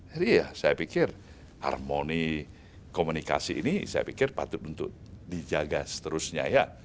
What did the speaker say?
jadi ya saya pikir harmoni komunikasi ini saya pikir patut untuk dijaga seterusnya ya